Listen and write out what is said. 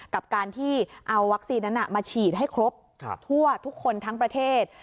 กับการที่เอาวัคซีนนั้นมาฉีดให้ครบทั่วทุกคนทั้งประเทศ